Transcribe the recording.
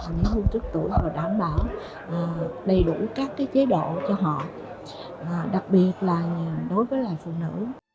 nghỉ hưu trước tuổi và đảm bảo đầy đủ các cái chế độ cho họ đặc biệt là đối với lại phụ nữ